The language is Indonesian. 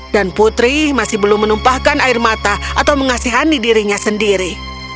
dan putri masih belum menumpahkan air mata atau mengasihani dirinya sendiri